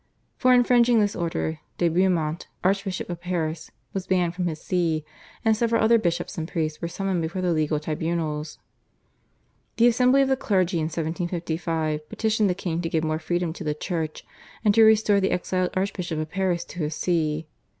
For infringing this order de Beaumont, Archbishop of Paris, was banished from his See, and several other bishops and priests were summoned before the legal tribunals. The Assembly of the Clergy in 1755 petitioned the king to give more freedom to the Church, and to restore the exiled Archbishop of Paris to his See.